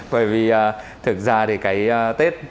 bởi vì thực ra thì cái tết